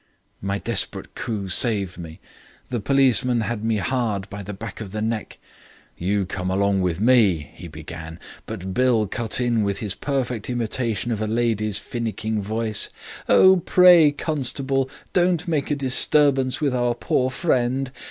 "My desperate coup saved me. The policeman had me hard by the back of the neck. "'You come along with me,' he began, but Bill cut in with his perfect imitation of a lady's finnicking voice. "'Oh, pray, constable, don't make a disturbance with our poor friend.